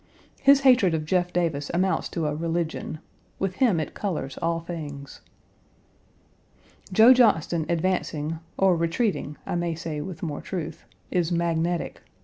His hatred of Jeff Davis amounts to a religion With him it colors all things. Joe Johnston advancing, or retreating, I may say with more truth, is magnetic.